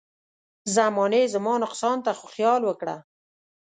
زمانې زما نقصان ته خو خيال وکړه.